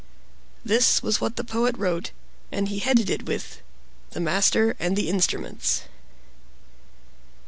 This was what the Poet wrote; and he headed it with: "The Master and the Instruments."